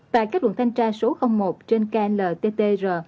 tại các quận thanh tra số một trên klttr